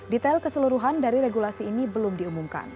detail keseluruhan dari regulasi ini belum diumumkan